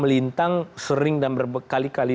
melintang sering dan berkali kali